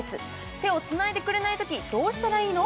手をつないでくれないときどうしたらいいの？